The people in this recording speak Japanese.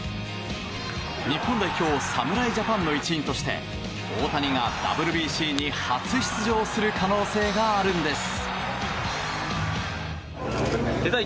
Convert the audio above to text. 日本代表侍ジャパンの一員として大谷がＷＢＣに初出場する可能性があるんです。